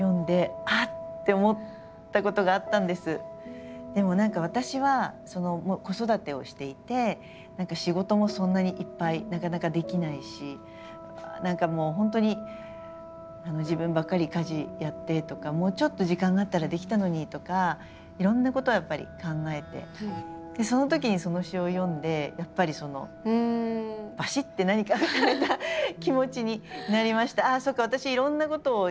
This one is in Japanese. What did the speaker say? この詩ででも何か私はもう子育てをしていて何か仕事もそんなにいっぱいなかなかできないし何かもう本当に自分ばっかり家事やってとかもうちょっと時間があったらできたのにとかいろんなことをやっぱり考えてそのときにその詩を読んでやっぱりそのばしって何か言われた気持ちになりました。